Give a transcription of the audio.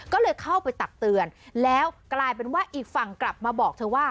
ก็เลยเข้าไปตักเตือนแล้วกลายเป็นว่าอีกฝั่งกลับมาบอกเธอว่า